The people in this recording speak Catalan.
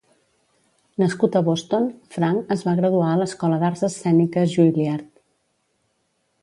Nascut a Boston, Frank es va graduar a l'escola d'arts escèniques Juilliard.